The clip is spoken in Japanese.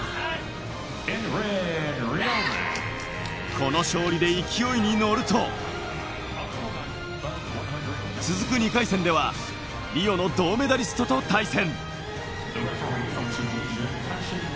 この勝利で勢いに乗ると、続く２回戦ではリオの銅メダリストと対戦。